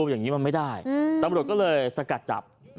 อย่างนี้มันไม่ได้ตำรวจก็เลยสกัดจับ